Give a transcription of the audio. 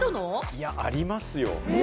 いや、ありますよ。